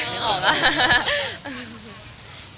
นึกออกป่ะ